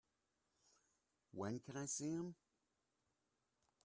When can I see him?